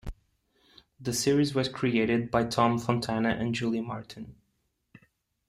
The series was created by Tom Fontana and Julie Martin.